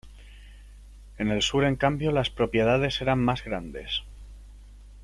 En el sur, en cambio, las propiedades eran más grandes.